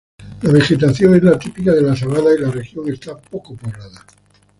La vegetación es la típica de la sabana y la región está poco poblada.